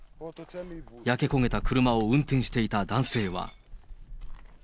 焼け焦げた車を運転していた男性は。